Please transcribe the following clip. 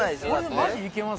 マジ行けます？